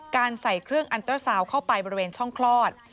ใส่เครื่องอันเตอร์ซาวน์เข้าไปบริเวณช่องคลอด